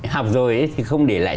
học rồi thì không để lại